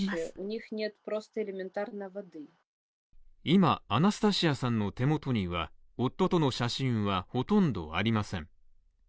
今、アナスタシアさんの手元には夫との写真はほとんどありません。